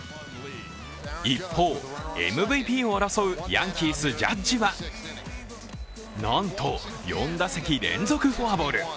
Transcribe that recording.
一方、ＭＶＰを争うヤンキース・ジャッジはなんと、４打席連続フォアボール。